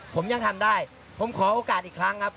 ผมยังทำได้ผมขอโอกาสอีกครั้งครับ